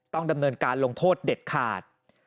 ต้องดำเนินการลงโทษเด็ดขาด